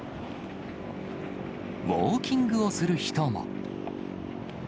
ウォーキングをする人も。